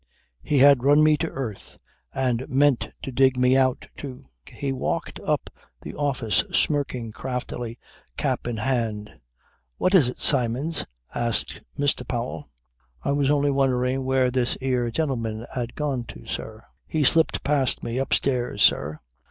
He had run me to earth and meant to dig me out too. He walked up the office smirking craftily, cap in hand. "What is it, Symons?" asked Mr. Powell. "I was only wondering where this 'ere gentleman 'ad gone to, sir. He slipped past me upstairs, sir."